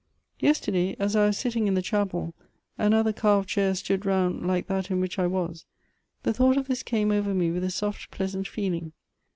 Yesterday, as I was sitting in the chapel, and other carved chairs stood round like that in which I was, the thought of this came over me with a soft, pleasant feeling.